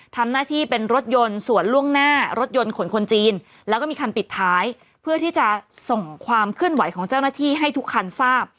ทำหน้าที่เป็นรถยนต์ส่วนล่วงหน้ารถยนต์ขนคนจีนแล้วก็มีคันปิดท้ายเพื่อที่จะส่งความเคลื่อนไหวของเจ้าหน้าที่ให้ทุกคันทราบ